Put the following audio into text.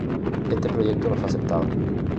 Este proyecto no fue aceptado.